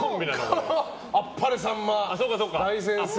「あっぱれさんま大先生」